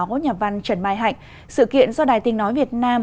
nhà bảo nhà văn trần mai hạnh sự kiện do đài tình nói việt nam